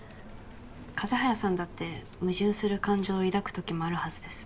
風早さんだって矛盾する感情を抱く時もあるはずです。